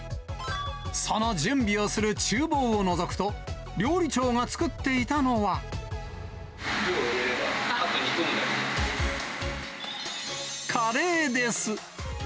その準備をするちゅう房をのルーを入れれば、あと煮込むカレーです。